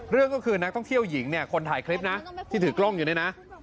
เรื่องก็คือนักท่องเที่ยวหญิงเนี่ยคนถ่ายคลิปนะที่ถือกล้องอยู่เนี่ยนะ